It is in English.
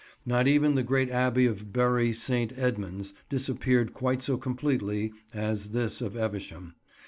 Not even the great Abbey of Bury St. Edmunds disappeared quite so completely as this of Evesham.